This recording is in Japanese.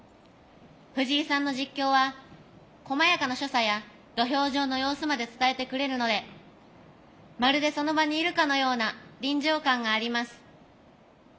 藤井さんの実況はこまやかな所作や土俵上の様子まで伝えてくれるのでまるでその場にいるかのような臨場感があります。